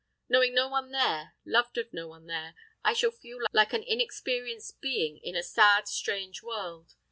Knowing no one there, loved of no one there, I shall feel like an inexperienced being in a sad, strange world.